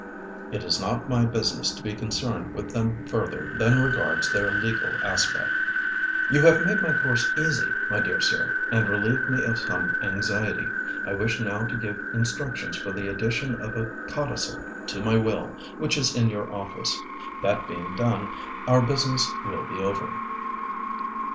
It is not my business to be concerned with them further than regards their legal aspect." "You have made my course easy, my dear sir, and relieved me of some anxiety. I wish now to give instructions for the addition of a codicil to my will, which is in your office. That being done, our business will be over."